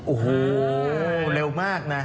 โอ้โหเร็วมากนะ